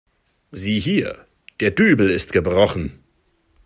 Sieh hier, der Dübel ist gebrochen.